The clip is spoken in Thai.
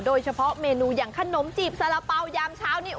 โดยเฉพาะเมนูอย่างขนมจีบสารเป๋ายามเช้านี้